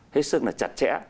hết sức là chặt chẽ